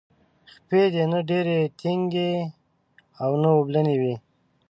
خپې دې نه ډیرې ټینګې او نه اوبلنې وي.